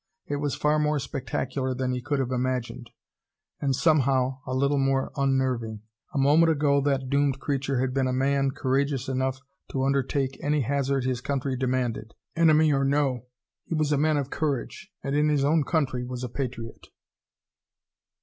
It was far more spectacular than he could have imagined ... and somehow a little more unnerving. A moment ago that doomed creature had been a man courageous enough to undertake any hazard his country demanded. Enemy or no, he was a man of courage and in his own country was a patriot.